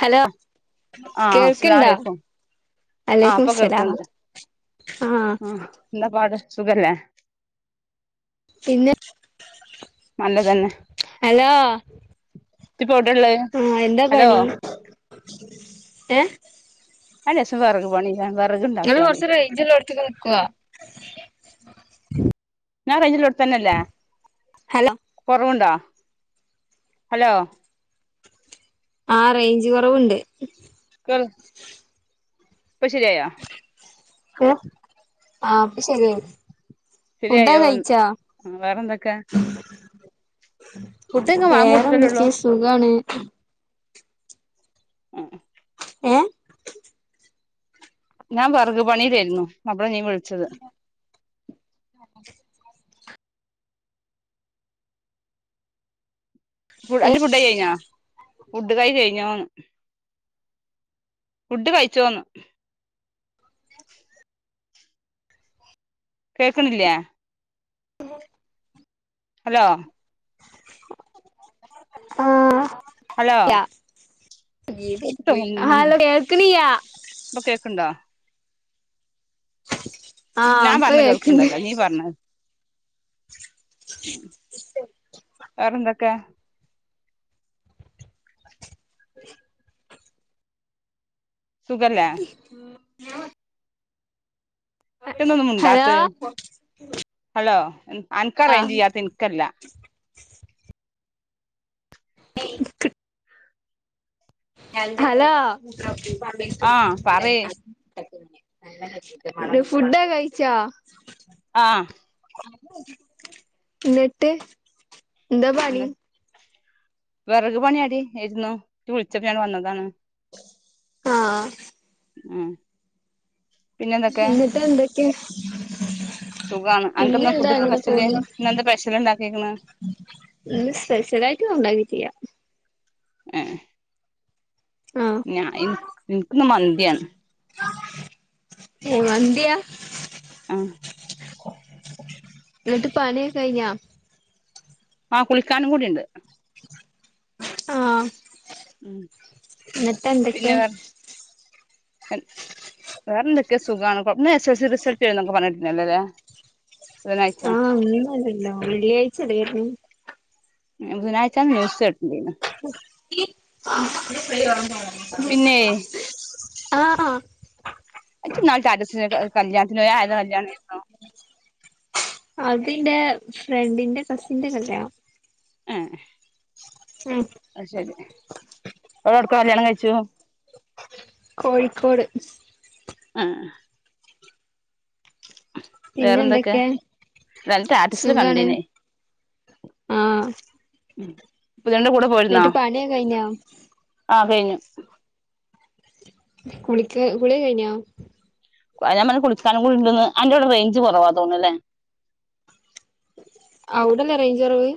Hello ആഹ് കേൾക്ക്ണ്ടാ അസ്സലാമലൈക്കും ആഹ് ഇപ്പൊ വലൈക്കുംസ്ലാം. കേൾക്കണ്ട് ആഹ് എന്താ പാട് സുഖല്ലേ? പിന്നെ നല്ലതന്നെ ഹലോ. ഇജ്പ്പൊ എവിടേള്ളേ. ആഹ് എന്താ പണി ഏഹ്. അഹ് ലേഷം വെറകുപണിലാണ് വെർ ഇങ്ങള് കൊർച്ച് റേഞ്ച്ള്ളോട്ത്ത്ക്ക് നിക്കാ. ഞാൻ റേഞ്ച്ള്ളോട്ത്തന്നല്ലേ. ഹലോ കൊറവുണ്ടോ ഹലോ. ആഹ് റേഞ്ച് കൊറവുണ്ട്. കേർ ഇപ്പൊ ശര്യായോ. ക്കെ ആഹ് ഇപ്പ ശെരിയായ്. ഫുഡാക് ശരിയായോ കഴിച്ചോ? ആഹ് വേറെന്തൊക്കെ ഫുഡൊക്കെ വാങ്ങി കൊടുത്തിട്ടല്ലേള്ളൂ വേറെന്തൊക്കെ സുഖാണ്. ആഹ്. ഏഹ്. ഞാൻ വെർക് പണിലേര്ന്നു അപ്പളാ നീ വിളിച്ചത്. [inaudible] ഫുഡ് അന്റെ ഫുഡായി കൈഞ്ഞോ? ഫുഡ് കഴി കയ്ഞ്ഞോന്ന് ഫുഡ് കയ്ച്ചോന്ന്? കേക്ക്ണില്ലേ? ഹലോ. ആഹ് ഹലോ യാ ഹലോ കേൾക്കണിയാ ഇപ്പൊ കേക്കുണ്ടോ. ആഹ് ഞാൻ ഇപ്പ പറഞ്ഞത് കേക്ക്ണ്ട് കേക്കുണ്ടല്ലോ നീ പറഞ്ഞത്. വേറെന്തക്കെ. സുഖല്ലേ ഇജ്ജെന്താ ഒന്നും ഹലോ മുണ്ടാത്ത് ഹലോ അൻക്കാ റേഞ്ച് ആഹ് ഇയ്യത്ത് ഇൻക്കല്ല. ഇൻക്ക് ഹലോ [unintelligible] ആഹ് പറയ് ഫുടൊക്കെ കഴിച്ചോ ആഹ് നിട്ട് എന്താ പണി വെറക് പണിയാടി ഏര്ന്നു ഇജ്ജ് വിളിച്ചപ്പോ ഞാന് വന്നതാണ് ആഹ് ഉം പിന്നെ എന്തൊക്കെ എന്നിട്ട് എന്തൊക്കെ. സുഖാണ് അൻക്ക്ന്താ പിന്നെന്താ ഫുഡ്ക്ക് അങ്ങനെ പശ്യല് ഇന്നെന്താ പശ്യല് ണ്ടാക്കിക്കണ് ഇന്ന്സ്പെഷലായിട്ട് ഒന്നും ഉണ്ടാക്കിട്ടില്ലാ ഏഹ് ആഹ് ഞ ഇൻക്ക് ഇൻക്കിന്ന് മന്തിയാണ്. കുയ്മാന്തിയാ ആഹ് ന്നിട്ട് പണിയൊക്കെ കഴിഞ്ഞാ ആഹ് കുളിക്കാനും കൂടിണ്ട്. ആഹ് എന്നിട്ട് എന്തൊക്കെ പിന്നെ വേറെ വേറെന്തെക്കേ സുഖാണ് കൊഴ് ഇന്ന് എസ് എൽ സി റിസൾട്ട് വരുന്നൊക്കെ പറഞ്ഞേട്ടിന്നല്ലൊലേ ആഹ് ഇന്നല്ലല്ലോ വെള്ളിയാഴ്ച്ചല്ലേ വര്ന്നത് ബുധനാഴ്ച്ചാന്ന് ന്യൂസ്‌ കേട്ടിണ്ടായിന്നു പിന്നെയ് ആഹ് ഇജ്ജ് ന്നാള് സ്റ്റാറ്റസില് കല്യാത്തിന് പോയിന്നു അതാരെ കല്ല്യാണേയ്ന്നു അതിന്റെ ഫ്രണ്ടിന്റെ കസിന്റെ കല്യാണം ഏഹ് ആഹ് അയ്ശരി ഓളെ എവിട്ക്കാകല്യാണം കഴിച്ചു കോഴിക്കോട്. ആഹ് പിന്നെ വേറെന്തൊക്കെ എന്തൊക്കെ അല്ല അന്റെ സ്റ്റാസ്റ്റില് സുഖാണ് കണ്ടീനെ ആഹ് ഉം പുതിയണ്ണിന്റെ കൂടെ പോയിരുന്നോ? എന്നിട്ട് പണിയൊക്കെ കഴിഞ്ഞോ ആ പേയിനു. കുളിക്ക കുളിഒക്കെ കഴിഞ്ഞോ അത ഞാൻ പറഞ്ഞു കുളിക്കാനും കൂടി ഉണ്ട്ന്ന് അന്റവുടെ റേഞ്ച് കുറവാ തോന്നൂല്ലേ. ഔടല്ലേ റേഞ്ച് കൊറവ്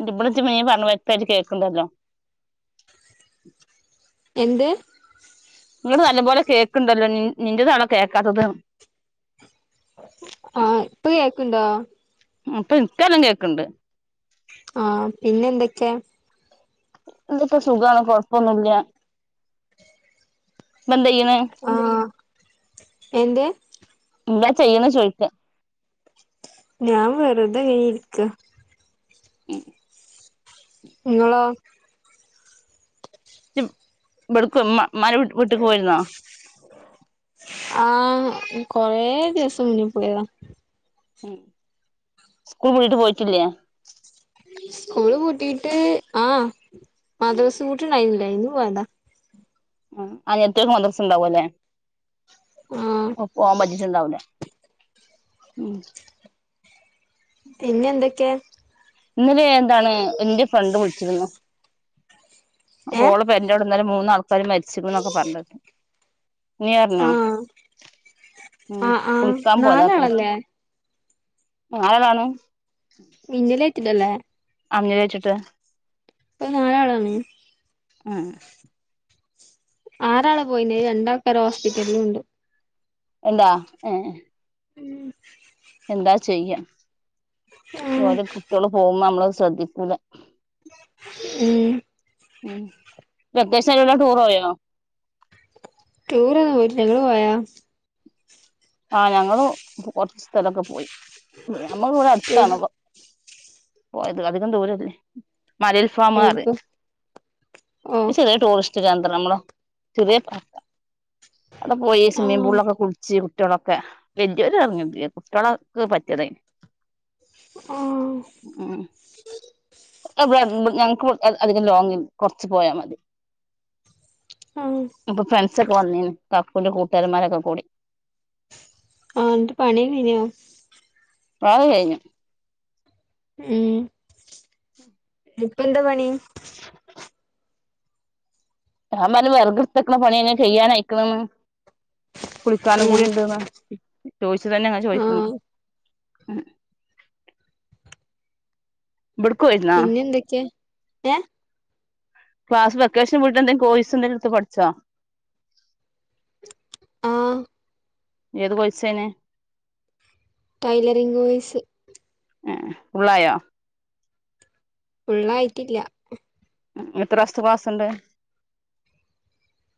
ന്നിട്ട് ബടെ ജ്ജ് നീ പറഞ്ഞ വ്യക്തായിട്ട് കേൾക്കണ്ടല്ലോ. എന്ത് നിങ്ങള് നല്ലപോലെ കേക്കണ്ടല്ലോ നിന്റെതാണോ കേൾക്കാത്തത്? ആഹ് ഇപ്പൊ കേക്കണ്ടോ? അപ്പൊ ഇൻല്ലാം കേൾക്കണ്ട് ആഹ് പിന്നെ എന്തൊക്കെയാ, എന്തപ്പോ സുഖണ് കൊഴപ്പൊന്നുല്ല ങ്ങളെന്താ ചെയ്യണേ ആഹ് എന്തെ എന്താ ചെയ്യണെ ചോദിക്ക ഞാൻ വെറുതെ ഇരിക്ക ഉം നിങ്ങളോ? യിപ് വെളുക്ക മ്മ മരവെട്ട് വിട്ട്ക്ക് പോയിരുന്നോ ആഹ് കൊറേ ദിവസം മുന്നി പോയതാ ഉം സ്കൂളുവിട്ട് പോയിട്ടില്ലേ സ്കൂള്പൂട്ടിട്ട് ആഹ് മദ്രസ പൂട്ടിണ്ടായില്ല ഇന്ന് പോയതാ ആഹ് ആയെത്തേക്ക് മദ്രസ ഉണ്ടാവുല്ലേ ആഹ് പ്പ പോവാൻ പറ്റിട്ടുണ്ടാവില്ല ഉം പിന്നെ എന്തൊക്കെയ പിന്നെ വേറെന്താണ് എന്റെ ഫ്രണ്ട് വിളിച്ചിരുന്നു അപ്പോ ഏഹ് ഓള് ഇപ്പൊ എന്റെവിടെന്നലും മൂന്നാൾക്കാര് മരിച്ചുന്നൊക്കെ പറഞ്ഞത് നീയറിഞ്ഞോ ആഹ് ഉം ആഹ് ആഹ് കുളിക്കാൻ പോയതത്രേ നാലാളല്ലേ ഞായറാണോ മിന്നലെഏറ്റില്ലല്ലേ അങ്ങനെറ്റിട്ട് ഇപ്പോ മഴയാണോ ഉം ആറാളെ പോയിനെ രണ്ടാള്ക്കാര് ഹോസ്പിറ്റലിലുണ്ട് എന്താ ഉം ഉം എന്താചെയ്യാ ഉം ഓരോ കുട്ടികള് പോകുമ്പോ നമ്മള് ശ്രദ്ധിക്കൂല ഉം ഉംഹ് വെക്കേഷന് എവിടെലും ടൂറോയോ? ടൂറോന്നും പോയിട്ടില്ല ഇങ്ങള് പോയാ ആഹ് ഞങ്ങള് കൊറച്ച് സ്ഥലൊക്കെ പോയി ഞമ്മൾ ഇവിടെ അടുത്താണ് പ്പ പോയത് അധികം ദൂരല്ലേ മലയിൽഫാമത് എവിട്ക്ക് ഓ ഒരു ചെറിയ ടൂറിസ്റ്റ് റ്റ് കേന്ദ്രം നമ്മള് ചെറിയ അവിടെ പോയി ആഹ് സ്വിമ്മിംഗപൂളിലൊക്കെ കുളിച്ച് കുട്ടിളൊക്കെ വെല്ലിയോര് ഇറങ്ങെന്നല്ല കുട്ടികള ഒക്കെ പറ്റിയതന് ആഹ് ഉംഹ് അ ഇവിടെ അടു ഞങ്ങക്ക് അധികം ലോങ്ങില്ല കുറച്ച് പോയാ മതി ആഹ് ഇപ്പൊ ഫ്രണ്ട്സക്കെവന്നെന് കാക്കൂന്റെ കൂട്ടുകരോമാരൊക്കെ കൂടി ആഹ് എന്നിട്ട് പണി കഴിഞ്ഞോ ആഹ് കഴിഞ്ഞു മ് ഇപ്പന്താ പണി. ഞാൻ പറഞ്ഞു വെറക് ട്ത്തക്ക്ണ പണിയങ്ങ് ചെയ കുളിക്കാനും കൂടി ഏഹ് ഇണ്ട്ന്ന് ചോയിച്ചതന്നെ അങ്ങെ ചോയിക്ക്ണ്. ആഹ് [unintelligible] പിന്നെന്തൊക്കെയാ ഏഹ്ഹ് ക്ലാസ് വെക്കേഷനയിട്ട കോയിസ്ങ്ക എന്തേലും എടുത് പഠിച്ചോ ആഹ ഏത് കോഴ്സ് ആണ്. Tailoring course. ആഹ് ഫുള്ളായോ? ഫുള്ളായിട്ടില്ല. എത്ര മാസത്തെ ക്ലാസ്സ് ഉണ്ട്.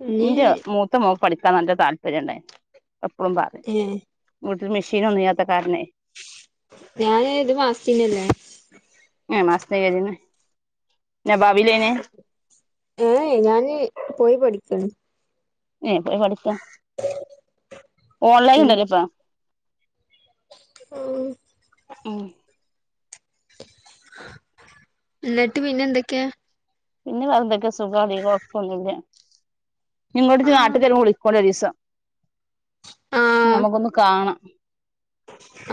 ഇനി ഇന്റെ മൂ ത മോൾക്ക് പഠിക്കാൻ നല്ല താല്പര്യംഉണ്ടയിന് എപ്പോഴും പറയും. ഏഹ് വീട്ടൽ മെഷീൻ ഒന്നുംഇല്ലാത്ത കാരണെ ഞാൻ ന് ഒരു മാസത്തിന് അല്ലേ. ഒരു മാസത്തിന് ക്കെറിന് നവാബില് എയിന്. ഏഹ ഞാന് പോയി പഠിക്കാണ്. ഏ പോയി പഠിക്ക ഓൺലൈൻ ഉം ഉണ്ടല്ലോ ഇപ്പം. ഉം ഉം എന്നട്ട് പിന്നെ എന്തൊക്കെ. പിന്നെ വെറ എന്തൊക്കെ സുഖ അധിക കുഴപ്പൊന്നില്ല നിങ്ങോട്ട് നാട്ട് ആഹ് വരുപം വിളിക്കണ്ടി ഒരു ദിവസം. ആഹ് നമുക്കൊന്ന് കാണാം.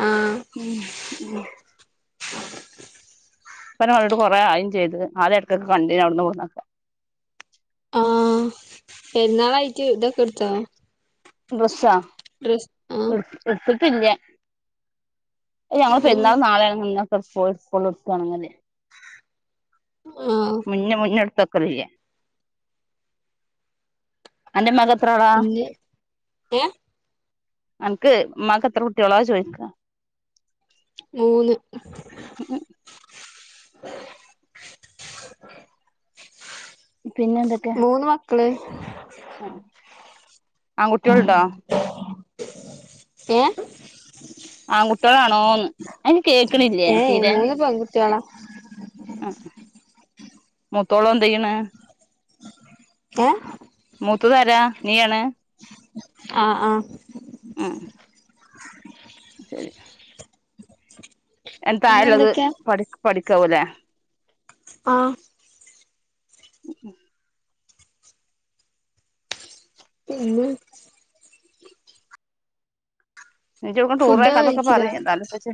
ആഹ് ഉം ഉം പിന്നെ ഇപ്പ കണ്ടിട് കുറെ ആയിം ചെയ്ത് ആദൃം എടക്ഒക്കൊ കണ്ടിന് അവിടുന്നും ഇവടുനും ഒകൊ. ആ പോരുനള് അയിട്ട് ഇതൊക്കെ എടുത്തോ. ഡ്രസ്സ്അ ഡ്രസ് ആ എടുത്തിട്ടില്ല ഞങ്ങ് ആഹ് പെരുനള് നാളെയണകി ഇനണ് എടുക. പോയി എടുകണകില്. ആഹ് മുന്നേ മുന്നെ ടുത്തക്കലില. അൻ്റ മക ഇന്ന് ഏ എനക്ക് ഉമാക്ക് എത്ര കുട്ടികളോോ ചോദിക്ക മൂന്ന്. പിന്നെ മൂന്ന് മക്കള്. ഉ ആൺകുട്ടികള്ഇണ്ട. ഏ ആകുട്ടികളാണോന്ന് അനക്ക് കേൾക്ക്ണില്ലേ ഏ തീരെ. മൂന്ന് പെൺകുട്ടികളാ ആ മൂത്തോള് എന്ത് ചെയ്യണ്. ഏ മൂത്തത് ആരാ നീയാണ്. ആഹ ആഹ് ഉം ശരി. അതിന് പിന്നെ തായള്ളത് എന്തൊക്കെയാ പഠി പഠിക്കാവൂല്ലേ ആഹ് പിന്നെ [unintelligible] ടൂറ് പോയ ഫുഡ് കതൊക്കെ കഴിച്ചില്ല പറഞ്ഞ എന്താല പച്ചേ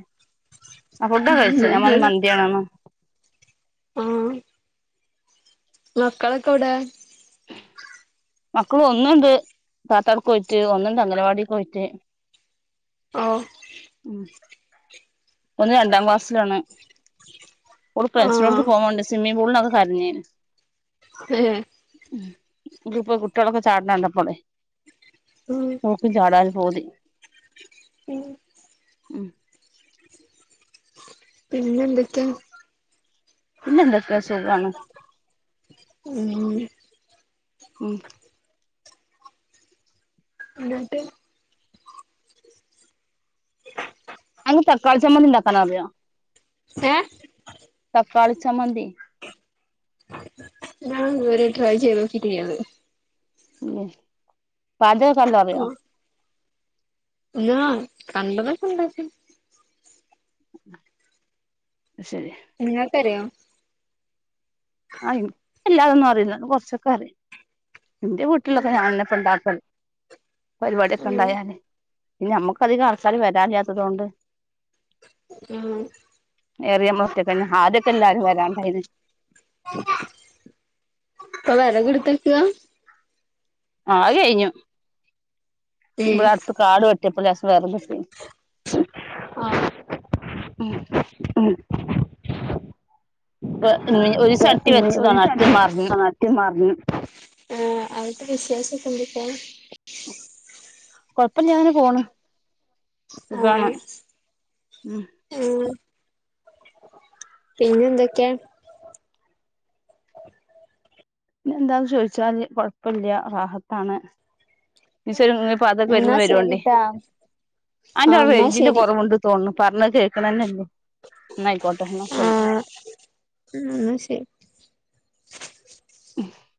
ആഹ് ഫുഡൊ കഴിച്ച ഞാ ഞങ്ങള് മന്തിയാണോ ആഹ് മക്കളൊക്കെ എവിടെ മക്കള് ഒന്നണ്ട് താത്താട് പോയിട്ട് ഒന്നുണ്ട് അംഗനവാടി പോയിട്ട് ഓ ഉം ഒന്ന് രണ്ടാം ക്ലാസ്സിലാണ് ഓള് ആ ഫൻസോർക്ക് പോണ്ട് സ്വിമ്മി പൂളിനൊക്കെ കഞ്ഞേന് ഏഹ് ഉം നക്ക്പ്പ പെൺകുട്ടികളൊക്കെ ചാടണണ്ടപ്പോളെ ഉം ഓൾക്ക് ചാടാൻ പൂതി ഉം ഉം പിന്നെന്തൊക്കെയാ? പിന്നെന്തൊക്കെ സുഖണ്. ഉം. ഉം. എന്നിട്ട് അനക്ക് തക്കാളി ചമ്മന്തി ഉണ്ടാക്കാൻ അറിയോ? ഏഹ് തക്കാളി ചമ്മന്തി. ഞാൻ ഇത് വരെ ട്രൈ ചെയ്തോക്കിട്ടില്ലത്. ഉം പചകക്കൊ നല്ലോണറിയോ? അത് [unintelligible] കണ്ടതൊക്കെ ഉണ്ടാക്കും. അയ്ശരി. നിങ്ങൾക്ക് അറിയോ? ആഹ് എനിക്ക് എല്ലാതൊന്നും അറിയില്ല എന്നാ കൊറച്ചൊക്കെ അറിയും. എന്റെ ആ വീട്ടിലൊക്കെ ആ ഞാനെപ്പൊ ഇണ്ടാക്കല് പരിപാടൊക്കെ ഇണ്ടായാലെ. പിന്നെ നമ്മുക്ക് അധികം ആൾക്കാർ വരല്യാത്തതുകൊണ്ട് ഏറിയ നമ്മൾ ഒറ്റെക്കെന്നെ ആദ്യക്കെ എല്ലാരും വരാണ്ടായിരുന്നു. ഇപ്പൊ വെറക്ക് എടുത്തക്കവാ? ആഹ് കയ്ഞ്ഞു ഇബടെ ഏ അടുത്ത് കാട് വെട്ടിയപ്പോ ലേസംവെറക്കിട്ടിനിം ആഹ് ഉം [unintelligible] ഒരീസം അട്ടി വെച്ചതാണ് അട്ടി മറിഞ്ഞു. ട്ടി മറ്ഞ്ഞു ആഹ് അവടുത്തെ വിശേശം ഒക്കെ എന്തുട്ടാ കുഴപ്പമില്ലാ അങ്ങനെ പോണ്. സുഖാണ് ആഹ് ഉം ആഹ് പിന്നെ എന്തൊക്കെയാ? പിന്നെന്താ ചോദിച്ചാല് കൊഴപ്പല്ല റാഹത്താണ്. ഒരീസ അതൊക്കെ വരുമ്പോ എന്നാ വരോണ്ടിം ശരിട്ടാ അനക്ക് ആഹ് എന്നാ അവടെറൈഞ്ചിന്റെ ശരി കൊറവുണ്ട്. തോന്നണു പറഞ്ഞ കേക്കണന്നല്ലെയ് എന്ന ആയിക്കോട്ടെ എന്ന ശരി. ആഹ് ഉം എന്നശരി. [inaudible]